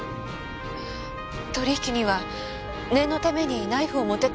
取引には念のためにナイフを持っていった方がいいわ。